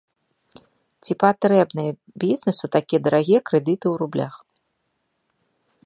Ці патрэбныя бізнэсу такія дарагія крэдыты ў рублях?